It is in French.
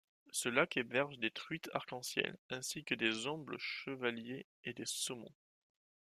Ce lac héberge des truites arc-en-ciel ainsi que des ombles chevalier et des saumons.